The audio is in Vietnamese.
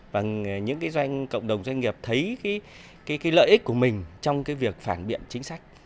và những cộng đồng doanh nghiệp thấy lợi ích của mình trong việc phản biện chính sách